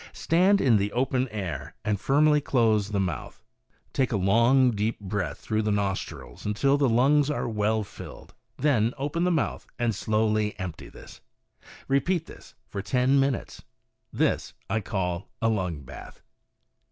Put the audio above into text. Stand in the open air and firmly close the mouth. Take a long, deep breath through the nostrils until the lungs are well filled, then open the mouth and slowly empty them. Repeat this for ten minutes. This I call a lung bath.